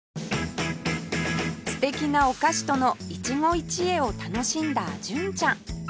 素敵なお菓子との一期一会を楽しんだ純ちゃん